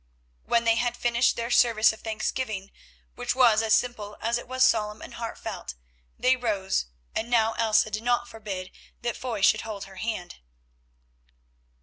When they had finished their service of thanksgiving, which was as simple as it was solemn and heartfelt, they rose, and now Elsa did not forbid that Foy should hold her hand.